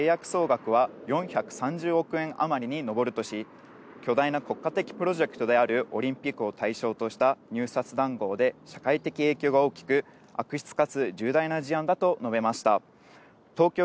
公正取引委員会は先ほどの会見で、業務の契約総額は４３０億円あまりに上るとし、巨大な国家的プロジェクトであるオリンピックを対象とした入札談合で社会的影響が大きく、悪質かつ重大な事案だと述べました。